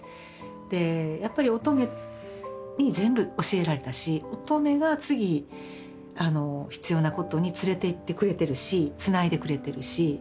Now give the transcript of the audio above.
でやっぱり音十愛に全部教えられたし音十愛が次必要なことに連れていってくれてるしつないでくれてるし。